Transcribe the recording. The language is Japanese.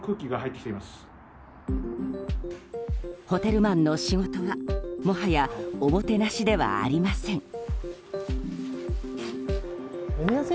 ホテルマンの仕事はもはやおもてなしではありません。